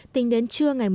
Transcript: tính đến trưa